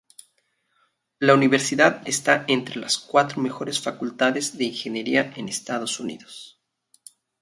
La universidad está entre las cuatro mejores facultades de ingeniería en Estados Unidos.